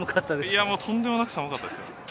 いや、もうとんでもなく寒かったです。